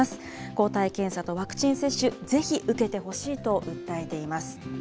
抗体検査とワクチン接種、ぜひ受けてほしいと訴えています。